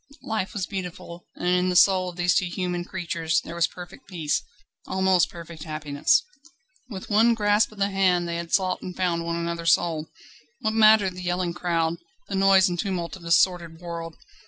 Life was beautiful, and in the soul of these two human creatures there was perfect peace, almost perfect happiness. With one grasp of the hand they had sought and found one another's soul. What mattered the yelling crowd, the noise and tumult of this sordid world?